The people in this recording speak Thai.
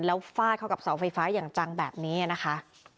แล้วฟาดเข้ากับเสาไฟฟ้าอย่างจังแบบนี้นะคะ